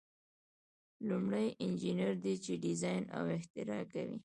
لومړی انجینر دی چې ډیزاین او اختراع کوي.